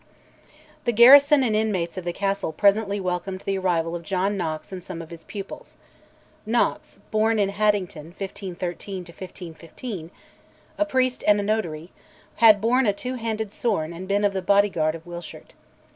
The garrison and inmates of the castle presently welcomed the arrival of John Knox and some of his pupils. Knox (born in Haddington, 1513 1515?), a priest and notary, had borne a two handed sword and been of the body guard of Wishart.